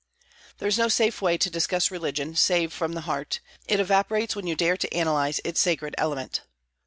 There is no safe way to discuss religion, save from the heart; it evaporates when you dare to analyse its sacred element.